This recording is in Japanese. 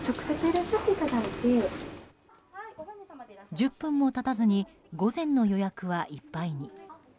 １０分も経たずに午前の予約はいっぱいに。